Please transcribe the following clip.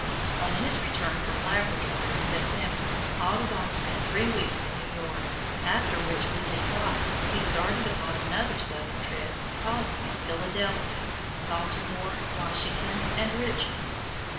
On his return from Labrador in September, Audubon spent three weeks in New York, after which with his wife, he started upon another southern trip, pausing at Philadelphia, Baltimore, Washington, and Richmond.